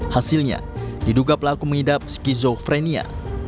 hasilnya diduga pelaku mengidap skizofrenia